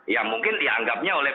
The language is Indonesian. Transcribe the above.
yang mungkin dianggapnya oleh